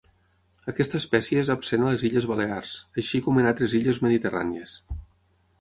Aquesta espècie és absent a les illes Balears, així com en altres illes mediterrànies.